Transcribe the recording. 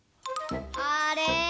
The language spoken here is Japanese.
あれ？